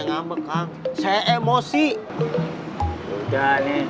satedit diimiz kang